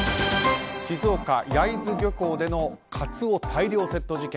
静岡・焼津漁港でのカツオ大量窃盗事件。